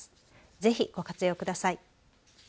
ぜひご活用ください。